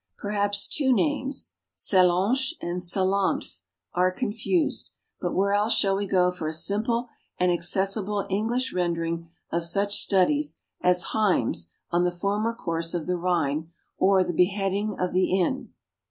Perhaps two names, Sallanches and Salanfe, are confused ; hut where else shall we go for a simple and accessible English rendering of such studies as Heim's on the former course of the Rhine or the beheading of the Inn